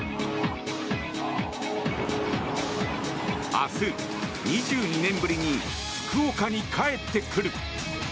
明日、２２年ぶりに福岡に帰ってくる。